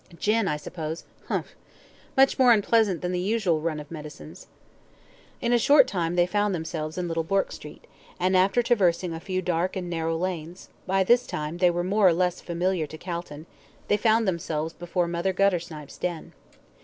"Gin, I suppose? Humph! Much more unpleasant than the usual run of medicines." In a short time they found themselves in Little Bourke Street, and after traversing a few dark and narrow lanes by this time they were more or less familiar to Calton they found themselves before Mother Guttersnipe's den.